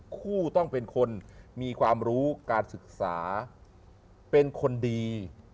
คู่ต้องเป็นคนมีความรู้การศึกษาเป็นคนดี